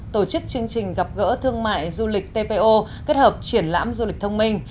tổ chức chương trình gặp gỡ thương mại du lịch tpo kết hợp triển lãm du lịch thông minh